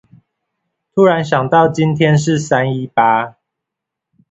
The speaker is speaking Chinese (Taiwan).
突然想到今天是三一八